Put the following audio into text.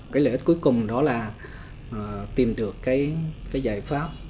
lợi ích cuối cùng đó là tìm được giải pháp